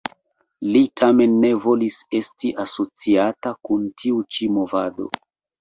Li tamen ne volis esti asociata kun tiu ĉi movado.